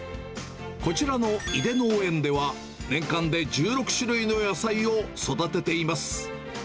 こちらの井出農園では、年間で１６種類の野菜を育てています。